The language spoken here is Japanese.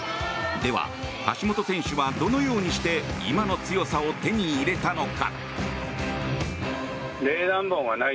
では、橋本選手はどのようにして今の強さを手に入れたのか。